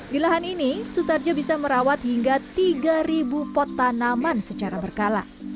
di lahan ini sutarjo bisa merawat hingga tiga pot tanaman secara berkala